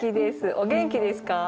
お元気ですか？